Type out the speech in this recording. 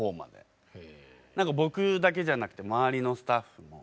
何か僕だけじゃなくて周りのスタッフも。